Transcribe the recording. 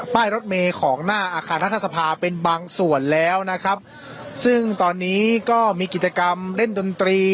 รถเมย์ของหน้าอาคารรัฐสภาเป็นบางส่วนแล้วนะครับซึ่งตอนนี้ก็มีกิจกรรมเล่นดนตรี